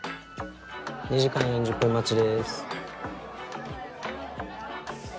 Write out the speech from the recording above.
２時間４０分待ちです。